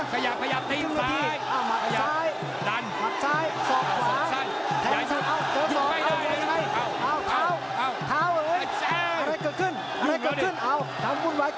ขยับเพยียบเต้งซ้าย